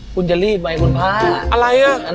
คุณจะรีบไหมคุณพระอะไรอ่ะ